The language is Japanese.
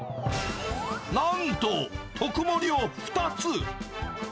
なんと特盛を２つ。